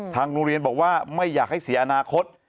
ทางโรงเรียนบอกว่าไม่อยากให้เสียอนาคต